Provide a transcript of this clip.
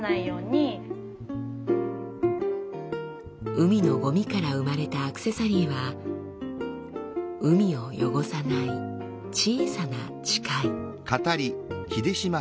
海のゴミから生まれたアクセサリーは海を汚さない小さな誓い。